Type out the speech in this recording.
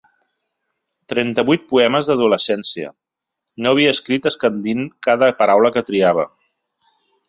Trenta-vuit poemes d'adolescència, no havia escrit escandint cada paraula que triava.